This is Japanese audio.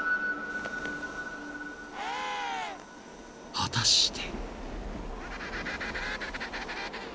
［果たして］